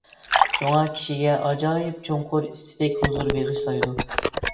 شۇڭا كىشىگە ئاجايىپ چوڭقۇر ئېستېتىك ھۇزۇر بېغىشلايدۇ.